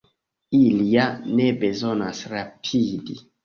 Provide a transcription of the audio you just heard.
Ili ja ne bezonas rapidi.